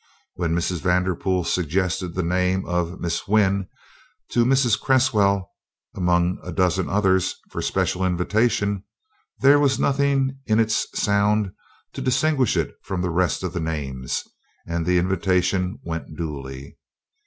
When Mrs. Vanderpool suggested the name of "Miss Wynn" to Mrs. Cresswell among a dozen others, for special invitation, there was nothing in its sound to distinguish it from the rest of the names, and the invitation went duly.